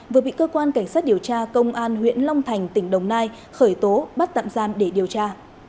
vừa bị cơ quan cảnh sát điều tra công an huyện long thành tỉnh đồng nai khởi tố bắt tạm giam để điều tra